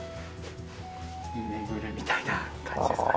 巡るみたいな感じですかね。